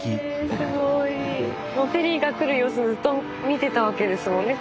ペリーが来る様子ずっと見てたわけですもんね